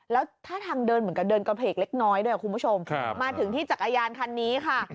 แล้วท่าทางเดินเหมือนกับเดินกระเพกเล็กน้อยด้วยคุณผู้ชมมาถึงที่จักรยานคันนี้ค่ะ